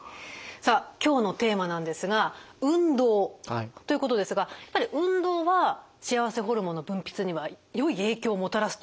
さあ今日のテーマなんですが運動ということですがやっぱり運動は幸せホルモンの分泌にはよい影響をもたらすということですか？